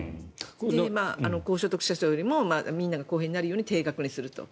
高所得者層よりもみんなが公平になるように定額にすると。